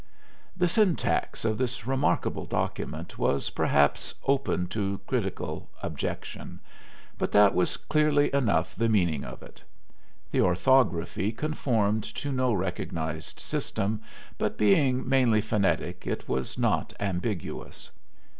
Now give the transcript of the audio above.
The syntax of this remarkable document was perhaps open to critical objection, but that was clearly enough the meaning of it. The orthography conformed to no recognized system, but being mainly phonetic it was not ambiguous.